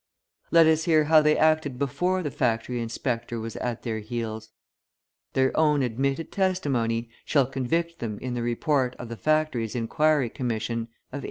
Let us hear how they acted before the factory inspector was at their heels. Their own admitted testimony shall convict them in the report of the Factories' Inquiry Commission of 1833.